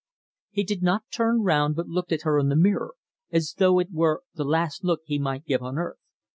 He did not turn round but looked at her in the mirror, as though it were the last look he might give on earth.